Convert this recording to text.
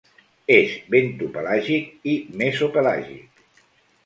És bentopelàgic i mesopelàgic.